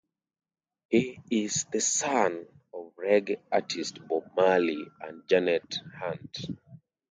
He is the son of reggae artist Bob Marley and Janet Hunt.